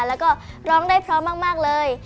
แล้วก็ร้องได้พร้อมมากเลย